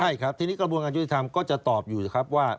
ใช่ครับทีนี้กระบวนการยุติธรรมก็จะตอบอยู่นะครับว่า